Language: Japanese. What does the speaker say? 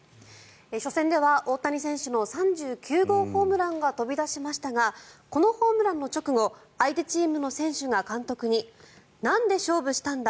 初戦では大谷選手の３９号ホームランが飛び出しましたがこのホームランの直後相手チームの選手が監督に、なんで勝負したんだ